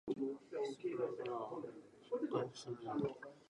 長野県諏訪市